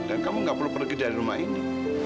dan kamu gak perlu pergi dari rumah ini